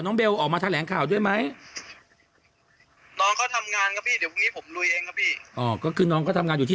น้องเขาทำงานครับพี่เดี๋ยวพรุ่งนี้ผมลุยเองครับพี่